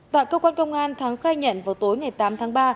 tại cơ quan công an thắng khai nhận vào tối ngày tám tháng ba